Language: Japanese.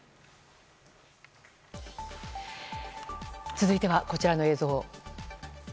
続いては、こちらの映像。